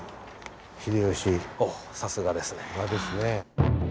おっさすがですね。